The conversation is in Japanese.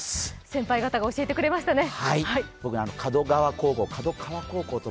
先輩方が教えてくれましたね。